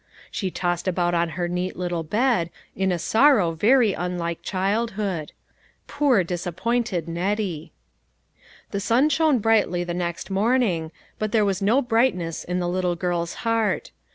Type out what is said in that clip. She tossed about on her neat little bed, in a sorrow very unlike child hood. Poor, disappointed Nettie 1 The sun shone brightly the next morning, but there was no brightness in the little girl's heart.